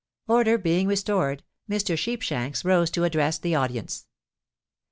Order being restored, Mr. Sheepshanks rose to address the audience.